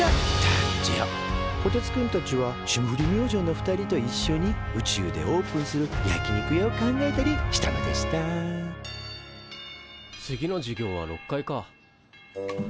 こてつくんたちは霜降り明星の二人といっしょに宇宙でオープンする焼き肉屋を考えたりしたのでした次の授業は６階か。